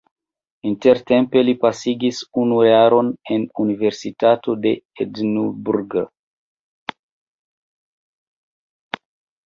Intertempe li pasigis unu jaron en Universitato de Edinburgh.